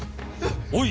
おい！